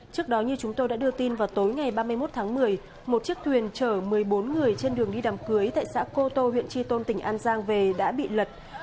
trong ngày ba mươi một tháng một mươi một chiếc thuyền chở một mươi bốn người trên đường đi đàm cưới tại xã cô tô huyện tri tôn tỉnh an giang về đã bị lật